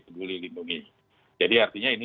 peduli lindungi jadi artinya ini